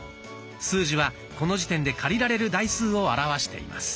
数字はこの時点で借りられる台数を表しています。